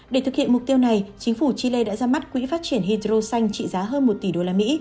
để thực hiện mục tiêu này chính phủ chile đã ra mắt quỹ phát triển hydroxanh trị giá hơn một tỷ usd